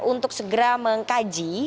untuk segera mengkaji